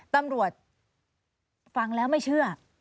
ตำรวจฟังแล้วไม่เชื่อ